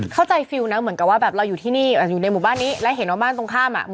ฟิลนะเหมือนกับว่าแบบเราอยู่ที่นี่อยู่ในหมู่บ้านนี้แล้วเห็นว่าบ้านตรงข้ามอ่ะ